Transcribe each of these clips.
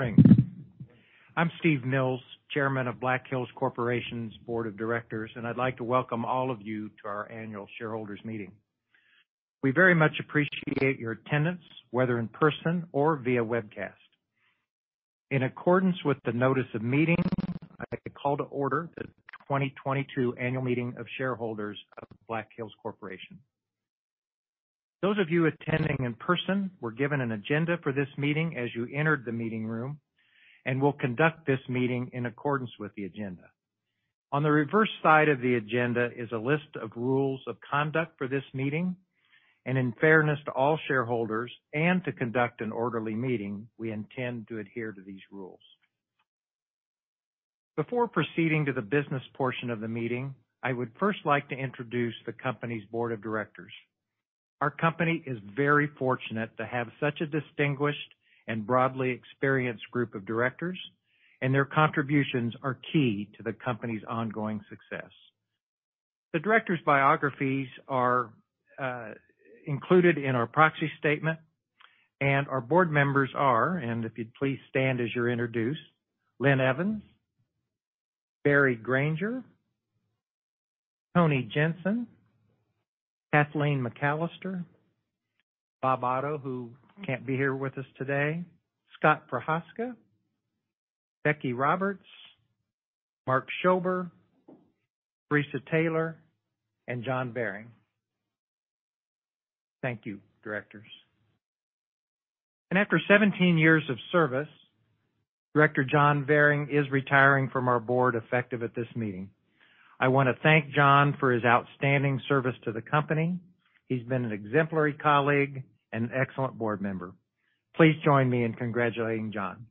Morning. I'm Steve Mills, Chairman of Black Hills Corporation's Board of Directors, and I'd like to welcome all of you to our annual shareholders meeting. We very much appreciate your attendance, whether in person or via webcast. In accordance with the notice of meeting, I call to order the 2022 annual meeting of shareholders of Black Hills Corporation. Those of you attending in person were given an agenda for this meeting as you entered the meeting room, and we'll conduct this meeting in accordance with the agenda. On the reverse side of the agenda is a list of rules of conduct for this meeting, and in fairness to all shareholders and to conduct an orderly meeting, we intend to adhere to these rules. Before proceeding to the business portion of the meeting, I would first like to introduce the company's board of directors. Our company is very fortunate to have such a distinguished and broadly experienced group of directors, and their contributions are key to the company's ongoing success. The directors' biographies are included in our proxy statement, and if you'd please stand as you're introduced. Linn Evans, Barry Granger, Tony Jensen, Kathleen McAllister, Bob Otto, who can't be here with us today, Scott Prochazka, Becky Roberts, Mark Schober, Risa Taylor, and John Vering. Thank you, directors. After 17 years of service, Director John Vering is retiring from our board, effective at this meeting. I wanna thank John for his outstanding service to the company. He's been an exemplary colleague and an excellent board member. Please join me in congratulating John.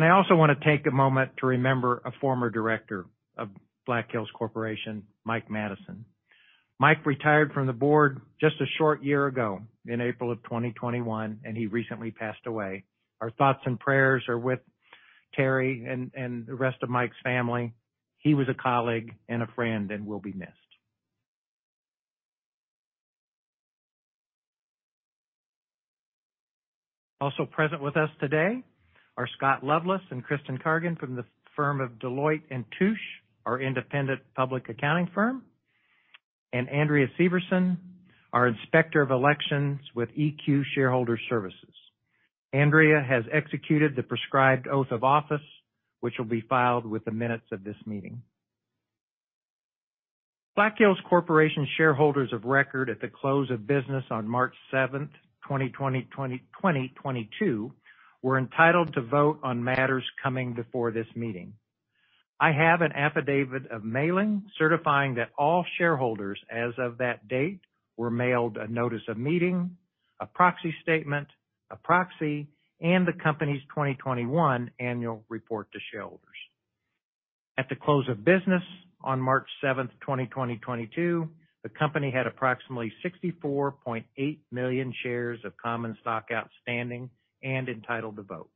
I also wanna take a moment to remember a former director of Black Hills Corporation, Mike Madison. Mike retired from the board just a short year ago in April 2021, and he recently passed away. Our thoughts and prayers are with Terry and the rest of Mike's family. He was a colleague and a friend, and will be missed. Also present with us today are Scott Loveless and Kristen Cargan from the firm of Deloitte & Touche, our independent public accounting firm. Andrea Severson, our Inspector of Elections with EQ Shareowner Services. Andrea has executed the prescribed oath of office, which will be filed with the minutes of this meeting. Black Hills Corporation shareholders of record at the close of business on March 7th, 2022, were entitled to vote on matters coming before this meeting. I have an affidavit of mailing, certifying that all shareholders as of that date were mailed a notice of meeting, a proxy statement, a proxy, and the company's 2021 annual report to shareholders. At the close of business on March 7th, 2022, the company had approximately 64.8 million shares of common stock outstanding and entitled to vote.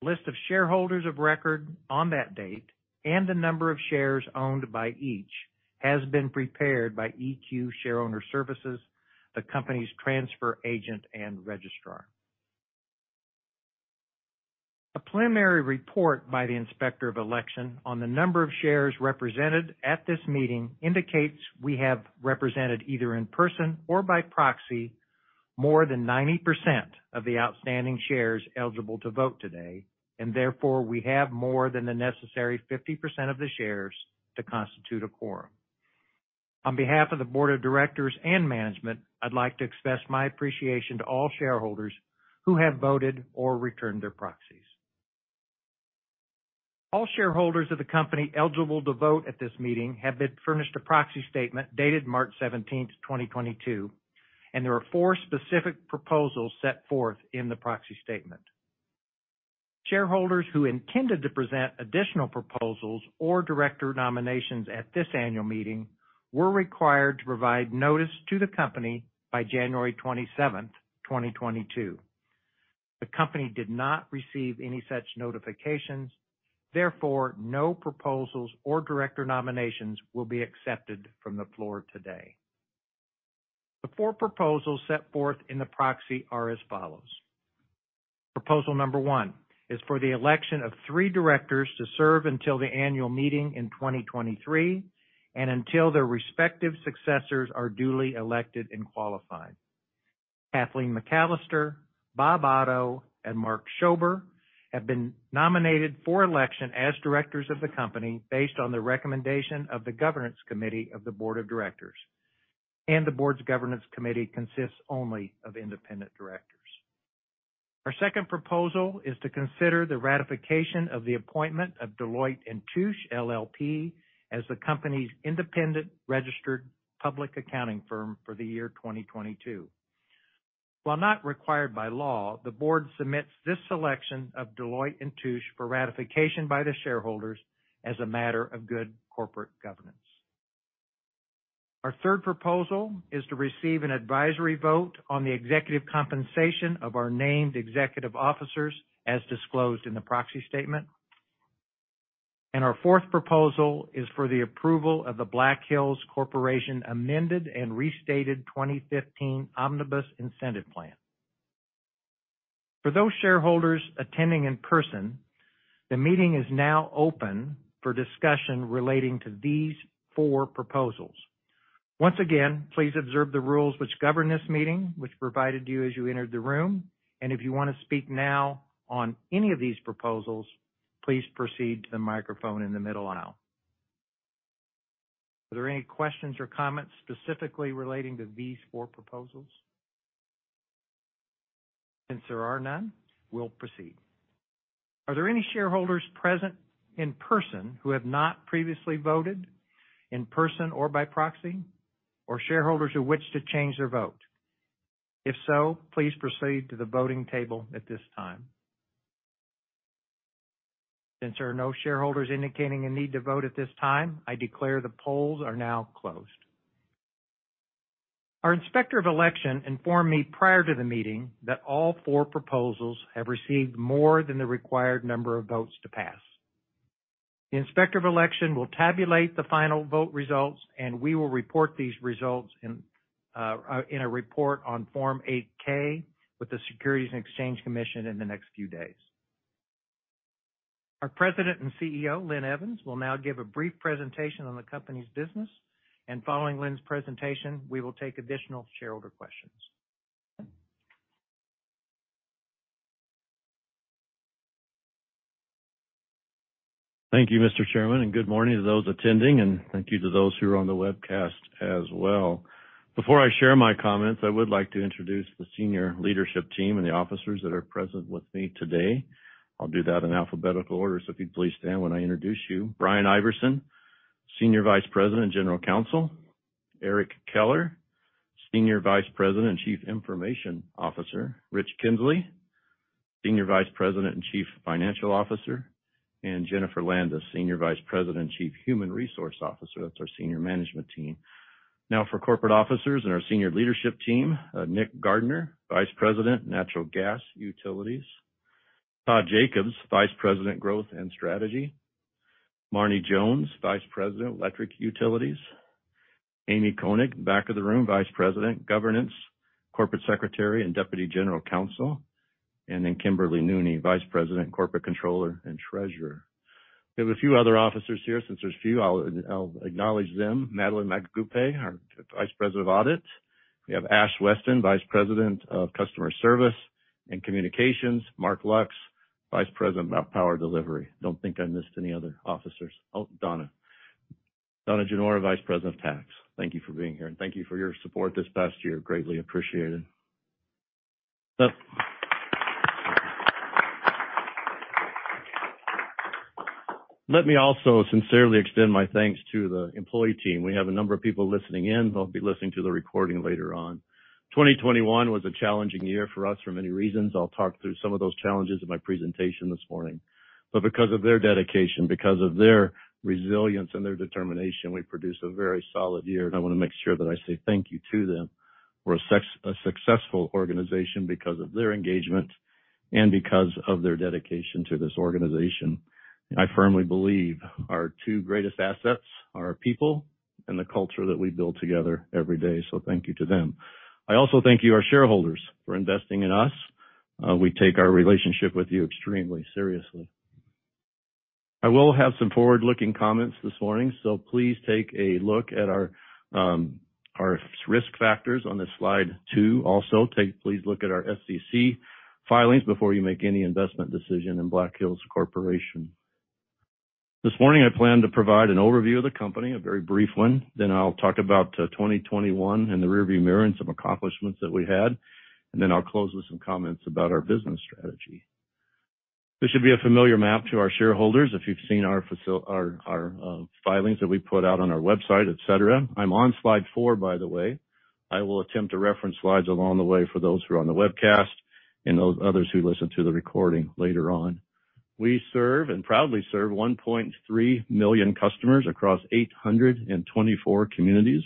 List of shareholders of record on that date and the number of shares owned by each has been prepared by EQ Shareowner Services, the company's transfer agent and registrar. A preliminary report by the inspector of election on the number of shares represented at this meeting indicates we have represented, either in person or by proxy, more than 90% of the outstanding shares eligible to vote today, and therefore, we have more than the necessary 50% of the shares to constitute a quorum. On behalf of the board of directors and management, I'd like to express my appreciation to all shareholders who have voted or returned their proxies. All shareholders of the company eligible to vote at this meeting have been furnished a proxy statement dated March 17, 2022, and there are four specific proposals set forth in the proxy statement. Shareholders who intended to present additional proposals or director nominations at this annual meeting were required to provide notice to the company by January 27, 2022. The company did not receive any such notifications, therefore, no proposals or director nominations will be accepted from the floor today. The four proposals set forth in the proxy are as follows. Proposal 1 is for the election of three directors to serve until the annual meeting in 2023 and until their respective successors are duly elected and qualified. Kathleen McAllister, Bob Otto, and Mark Schober have been nominated for election as directors of the company based on the recommendation of the governance committee of the board of directors, and the board's governance committee consists only of independent directors. Our second proposal is to consider the ratification of the appointment of Deloitte & Touche LLP as the company's independent registered public accounting firm for the year 2022. While not required by law, the board submits this selection of Deloitte & Touche for ratification by the shareholders as a matter of good corporate governance. Our third proposal is to receive an advisory vote on the executive compensation of our named executive officers as disclosed in the proxy statement. Our fourth proposal is for the approval of the Black Hills Corporation amended and restated 2015 Omnibus Incentive Plan. For those shareholders attending in person, the meeting is now open for discussion relating to these four proposals. Once again, please observe the rules which govern this meeting, which were provided to you as you entered the room. If you want to speak now on any of these proposals, please proceed to the microphone in the middle aisle. Are there any questions or comments specifically relating to these four proposals? Since there are none, we'll proceed. Are there any shareholders present in person who have not previously voted in person or by proxy or shareholders who wish to change their vote? If so, please proceed to the voting table at this time. Since there are no shareholders indicating a need to vote at this time, I declare the polls are now closed. Our Inspector of Election informed me prior to the meeting that all four proposals have received more than the required number of votes to pass. The Inspector of Election will tabulate the final vote results, and we will report these results in a report on Form 8-K with the Securities and Exchange Commission in the next few days. Our President and CEO, Linn Evans, will now give a brief presentation on the company's business. Following Linn's presentation, we will take additional shareholder questions. Thank you, Mr. Chairman, and good morning to those attending, and thank you to those who are on the webcast as well. Before I share my comments, I would like to introduce the senior leadership team and the officers that are present with me today. I'll do that in alphabetical order, so if you'd please stand when I introduce you. Brian Iverson, Senior Vice President and General Counsel. Eric Keller, Senior Vice President and Chief Information Officer. Rich Kinzley, Senior Vice President and Chief Financial Officer, and Jennifer Landis, Senior Vice President and Chief Human Resource Officer. That's our senior management team. Now for corporate officers and our senior leadership team. Nick Gardner, Vice President, Natural Gas Utilities. Todd Jacobs, Vice President, Growth and Strategy. Marne Jones, Vice President, Electric Utilities. Amy Koenig, back of the room, Vice President, Governance, Corporate Secretary, and Deputy General Counsel. Kimberly Nooney, Vice President, Corporate Controller and Treasurer. We have a few other officers here. Since there's a few, I'll acknowledge them. Madeline MacApugay, our Vice President of Audit. We have Ash Weston, Vice President of Customer Service and Communications. Mark Lux, Vice President of Power Delivery. Don't think I missed any other officers. Oh, Donna. Donna Genora, Vice President of Tax. Thank you for being here, and thank you for your support this past year. Greatly appreciated. Let me also sincerely extend my thanks to the employee team. We have a number of people listening in, who'll be listening to the recording later on. 2021 was a challenging year for us for many reasons. I'll talk through some of those challenges in my presentation this morning. Because of their dedication, because of their resilience and their determination, we produced a very solid year, and I want to make sure that I say thank you to them. We're a successful organization because of their engagement and because of their dedication to this organization. I firmly believe our two greatest assets are our people and the culture that we build together every day, so thank you to them. I also thank you, our shareholders, for investing in us. We take our relationship with you extremely seriously. I will have some forward-looking comments this morning, so please take a look at our risk factors on this slide two. Also, please look at our SEC filings before you make any investment decision in Black Hills Corporation. This morning, I plan to provide an overview of the company, a very brief one. I'll talk about 2021 in the rearview mirror and some accomplishments that we had. I'll close with some comments about our business strategy. This should be a familiar map to our shareholders if you've seen our filings that we put out on our website, et cetera. I'm on slide four, by the way. I will attempt to reference slides along the way for those who are on the webcast and those others who listen to the recording later on. We serve and proudly serve 1.3 million customers across 824 communities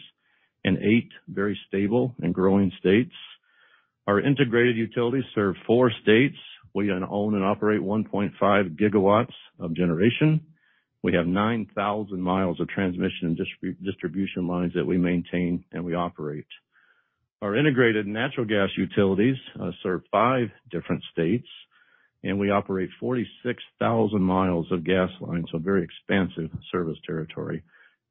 and eight very stable and growing states. Our integrated utilities serve four states. We own and operate 1.5 GW of generation. We have 9,000 miles of transmission and distribution lines that we maintain and we operate. Our integrated natural gas utilities serve five different states, and we operate 46,000 miles of gas lines, so a very expansive service territory.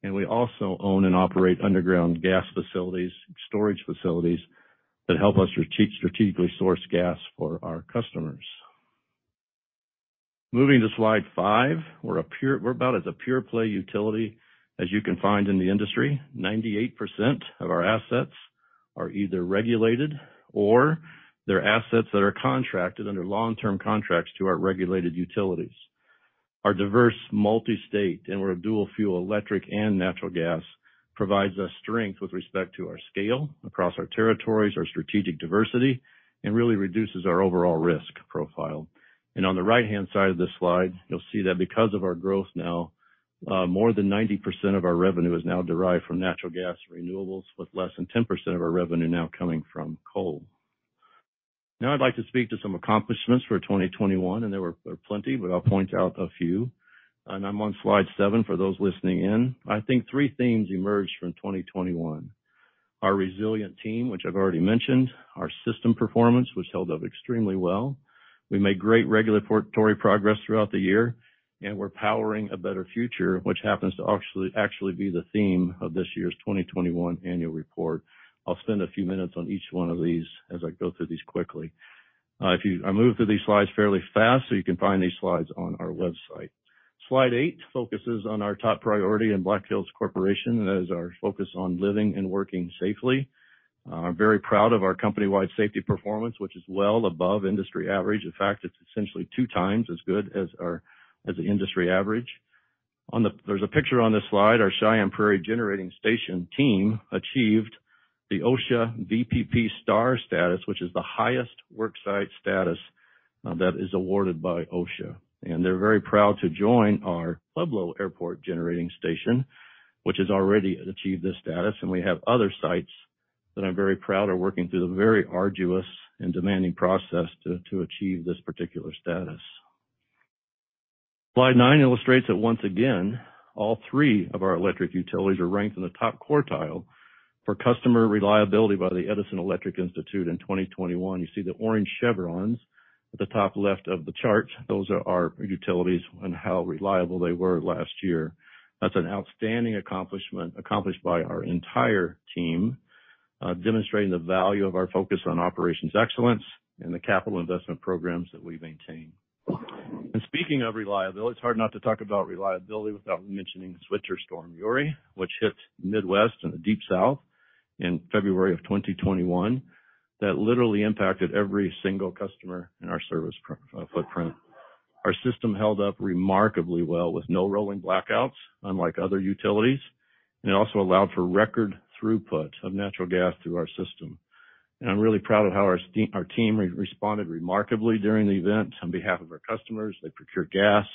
We also own and operate underground gas facilities, storage facilities that help us strategically source gas for our customers. Moving to slide five, we're about as a pure play utility as you can find in the industry. 98% of our assets are either regulated or they're assets that are contracted under long-term contracts to our regulated utilities. Our diverse multi-state, and we're a dual fuel, electric and natural gas, provides us strength with respect to our scale across our territories, our strategic diversity, and really reduces our overall risk profile. On the right-hand side of this slide, you'll see that because of our growth now, more than 90% of our revenue is now derived from natural gas and renewables, with less than 10% of our revenue now coming from coal. Now I'd like to speak to some accomplishments for 2021, and there were plenty, but I'll point out a few. I'm on slide 7 for those listening in. I think three themes emerged from 2021. Our resilient team, which I've already mentioned, our system performance, which held up extremely well. We made great regulatory progress throughout the year, and we're powering a better future, which happens to actually be the theme of this year's 2021 annual report. I'll spend a few minutes on each one of these as I go through these quickly. If you... I moved through these slides fairly fast, so you can find these slides on our website. Slide eight focuses on our top priority in Black Hills Corporation, and that is our focus on living and working safely. I'm very proud of our company-wide safety performance, which is well above industry average. In fact, it's essentially two times as good as the industry average. There's a picture on this slide. Our Cheyenne Prairie Generating Station team achieved the OSHA VPP Star status, which is the highest worksite status that is awarded by OSHA. They're very proud to join our Pueblo Airport Generating Station, which has already achieved this status. We have other sites that I'm very proud are working through the very arduous and demanding process to achieve this particular status. Slide nine illustrates that once again, all three of our electric utilities are ranked in the top quartile for customer reliability by the Edison Electric Institute in 2021. You see the orange chevrons at the top left of the chart. Those are our utilities and how reliable they were last year. That's an outstanding accomplishment by our entire team, demonstrating the value of our focus on operations excellence and the capital investment programs that we maintain. Speaking of reliability, it's hard not to talk about reliability without mentioning Winter Storm Uri, which hit Midwest and the Deep South in February 2021. That literally impacted every single customer in our service footprint. Our system held up remarkably well with no rolling blackouts, unlike other utilities, and it also allowed for record throughput of natural gas through our system. I'm really proud of how our team responded remarkably during the event on behalf of our customers. They procured gas,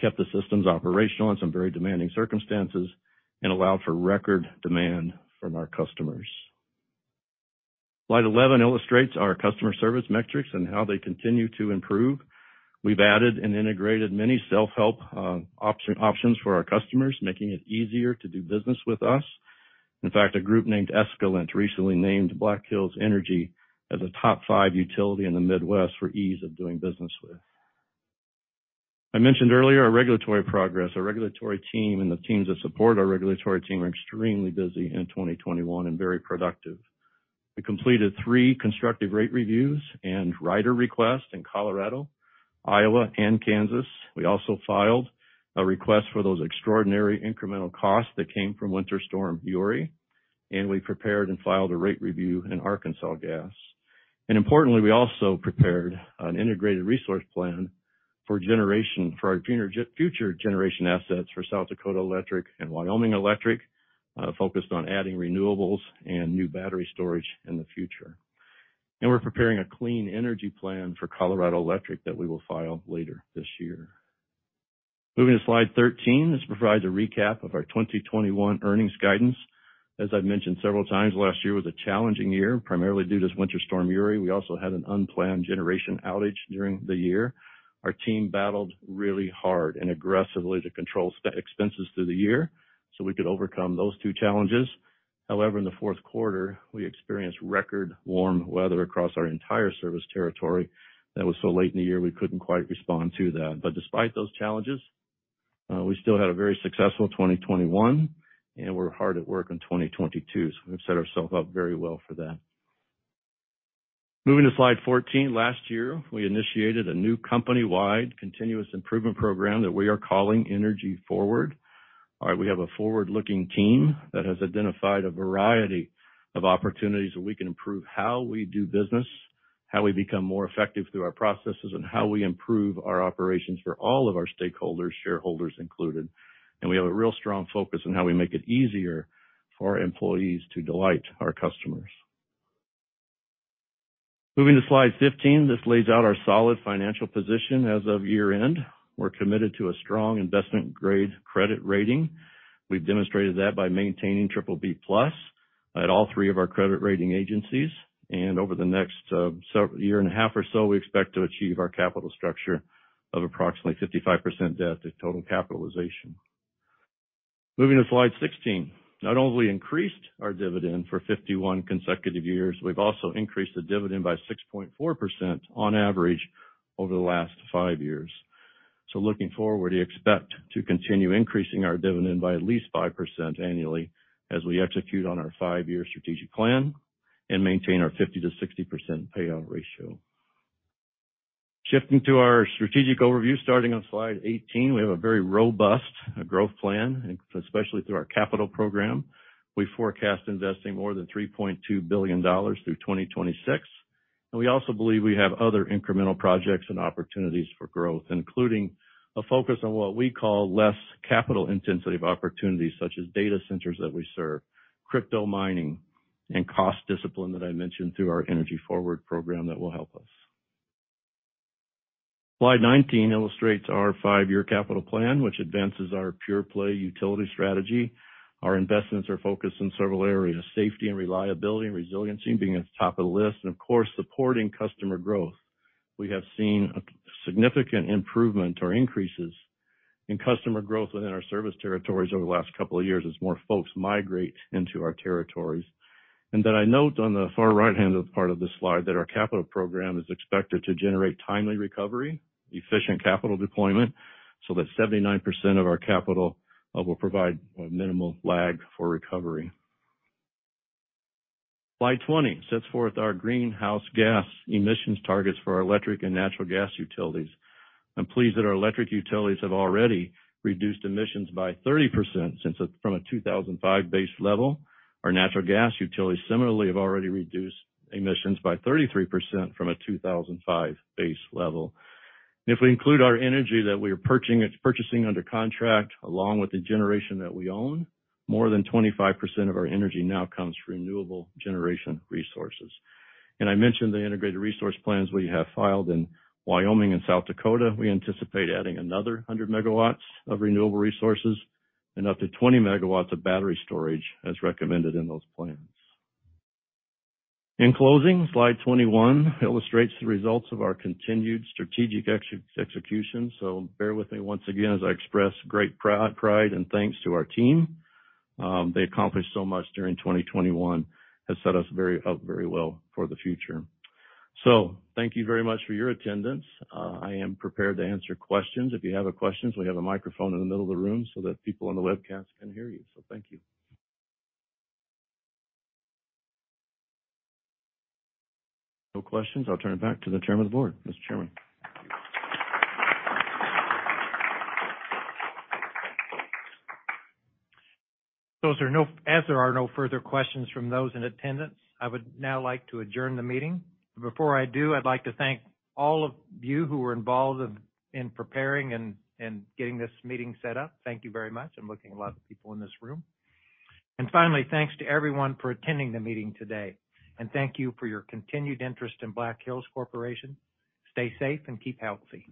kept the systems operational in some very demanding circumstances, and allowed for record demand from our customers. Slide 11 illustrates our customer service metrics and how they continue to improve. We've added and integrated many self-help options for our customers, making it easier to do business with us. In fact, a group named Escalent recently named Black Hills Energy as a top five utility in the Midwest for ease of doing business with. I mentioned earlier our regulatory progress. Our regulatory team and the teams that support our regulatory team were extremely busy in 2021 and very productive. We completed three constructive rate reviews and rider requests in Colorado, Iowa, and Kansas. We also filed a request for those extraordinary incremental costs that came from Winter Storm Uri, and we prepared and filed a rate review in Arkansas Gas. Importantly, we also prepared an integrated resource plan for generation, for our future generation assets for South Dakota Electric and Wyoming Electric, focused on adding renewables and new battery storage in the future. We're preparing a clean energy plan for Colorado Electric that we will file later this year. Moving to slide 13. This provides a recap of our 2021 earnings guidance. As I've mentioned several times, last year was a challenging year, primarily due to Winter Storm Uri. We also had an unplanned generation outage during the year. Our team battled really hard and aggressively to control expenses through the year, so we could overcome those two challenges. However, in the fourth quarter, we experienced record warm weather across our entire service territory that was so late in the year, we couldn't quite respond to that. Despite those challenges, we still had a very successful 2021, and we're hard at work in 2022, so we've set ourselves up very well for that. Moving to slide 14. Last year, we initiated a new company-wide continuous improvement program that we are calling Energy Forward. All right? We have a forward-looking team that has identified a variety of opportunities where we can improve how we do business, how we become more effective through our processes, and how we improve our operations for all of our stakeholders, shareholders included. We have a real strong focus on how we make it easier for our employees to delight our customers. Moving to slide 15. This lays out our solid financial position as of year-end. We're committed to a strong investment-grade credit rating. We've demonstrated that by maintaining BBB+ at all three of our credit rating agencies. Over the next year and a half or so, we expect to achieve our capital structure of approximately 55% debt to total capitalization. Moving to slide 16. We've not only increased our dividend for 51 consecutive years, we've also increased the dividend by 6.4% on average over the last 5 years. Looking forward, we expect to continue increasing our dividend by at least 5% annually as we execute on our 5-year strategic plan and maintain our 50%-60% payout ratio. Shifting to our strategic overview, starting on slide 18, we have a very robust growth plan, especially through our capital program. We forecast investing more than $3.2 billion through 2026, and we also believe we have other incremental projects and opportunities for growth, including a focus on what we call less capital-intensive opportunities, such as data centers that we serve, crypto mining, and cost discipline that I mentioned through our Energy Forward program that will help us. Slide 19 illustrates our five-year capital plan, which advances our pure play utility strategy. Our investments are focused in several areas. Safety and reliability and resiliency being at the top of the list, and of course, supporting customer growth. We have seen a significant improvement or increases in customer growth within our service territories over the last couple of years as more folks migrate into our territories. I note on the far right-hand of the part of the slide that our capital program is expected to generate timely recovery, efficient capital deployment, so that 79% of our capital will provide a minimal lag for recovery. Slide 20 sets forth our greenhouse gas emissions targets for our electric and natural gas utilities. I'm pleased that our electric utilities have already reduced emissions by 30% from a 2005 base level. Our natural gas utilities similarly have already reduced emissions by 33% from a 2005 base level. If we include our energy that we are purchasing under contract, along with the generation that we own, more than 25% of our energy now comes from renewable generation resources. I mentioned the integrated resource plans we have filed in Wyoming and South Dakota. We anticipate adding another 100 MW of renewable resources and up to 20 MW of battery storage as recommended in those plans. In closing, slide 21 illustrates the results of our continued strategic execution. Bear with me once again as I express great pride and thanks to our team. They accomplished so much during 2021, which has set us up very well for the future. Thank you very much for your attendance. I am prepared to answer questions. If you have any questions, we have a microphone in the middle of the room so that people on the webcast can hear you. Thank you. No questions. I'll turn it back to the chair of the board. Mr. Chairman. As there are no further questions from those in attendance, I would now like to adjourn the meeting. Before I do, I'd like to thank all of you who were involved in preparing and getting this meeting set up. Thank you very much. I'm looking at a lot of people in this room. Finally, thanks to everyone for attending the meeting today. Thank you for your continued interest in Black Hills Corporation. Stay safe and keep healthy.